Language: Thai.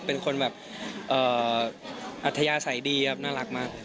เป็นคนแบบอัธยาศัยดีครับน่ารักมาก